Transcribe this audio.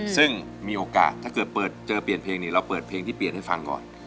ซึ่งมีโอกาสถ้าเกิดเปิดเจอเปลี่ยนเพลงนี้เราเปิดเพลงที่เปลี่ยนให้ฟังก่อน